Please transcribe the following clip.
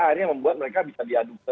akhirnya membuat mereka bisa diadukan